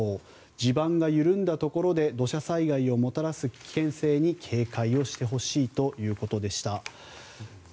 地盤が緩んだところで土砂災害をもたらす危険性に警戒をしてほしいということでした。